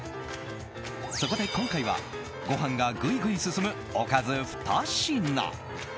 そこで今回はご飯がぐいぐい進むおかず２品。